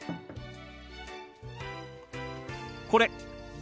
これ。